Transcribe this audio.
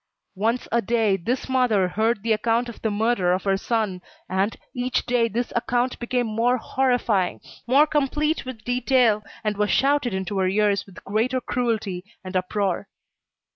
Once a day, this mother heard the account of the murder of her son; and, each day this account became more horrifying, more replete with detail, and was shouted into her ears with greater cruelty and uproar.